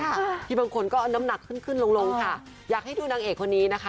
ที่บางคนก็เอาน้ำหนักขึ้นขึ้นลงลงค่ะอยากให้ดูนางเอกคนนี้นะคะ